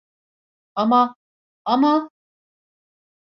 Ama, ama…